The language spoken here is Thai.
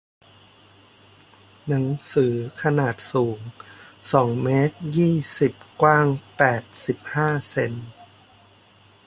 ชั้นหนังสือขนาดสูงสองเมตรยี่สิบ กว้างแปดสิบห้าเซ็น